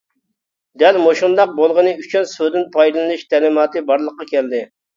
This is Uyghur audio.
دەل مۇشۇنداق بولغىنى ئۈچۈن «سۇدىن پايدىلىنىش» تەلىماتى بارلىققا كەلدى.